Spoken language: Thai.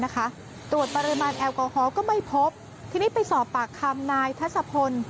เขาก็ไม่พบที่นี่ไปสอบปากคำนายทัศพล